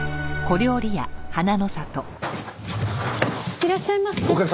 いらっしゃいませ。